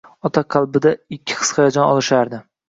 Ota qalbida ikki his-hayajon olishardi.